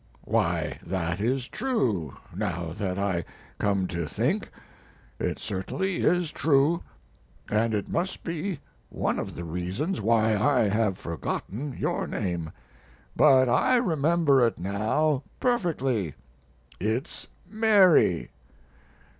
"Why, that is true, now that I come to think; it certainly is true, and it must be one of the reasons why I have forgotten your name. But I remember it now perfectly it's Mary."